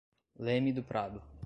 Leme do Prado